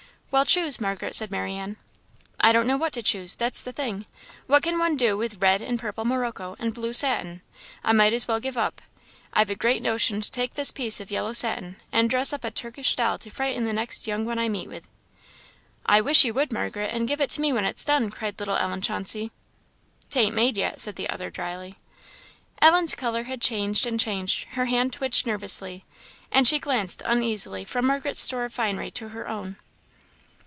"Well, choose, Margaret," said Marianne. "I don't know what to choose that's the thing. What can one do with red and purple morocco and blue satin? I might as well give up. I've a great notion to take this piece of yellow satin, and dress up a Turkish doll to frighten the next young one I meet with." "I wish you would, Margaret, and give it to me when it's done," cried little Ellen Chauncey. " 'Tain't made yet," said the other dryly. Ellen's colour had changed and changed; her hand twitched nervously, and she glanced uneasily from Margaret's store of finery to her own.